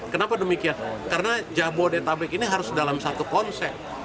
kenapa demikian karena jabodetabek ini harus dalam satu konsep